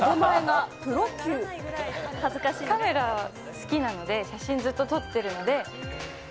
カメラ好きなので、写真ずっと撮ってるので。